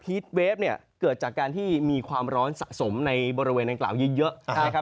เวฟเนี่ยเกิดจากการที่มีความร้อนสะสมในบริเวณดังกล่าวเยอะนะครับ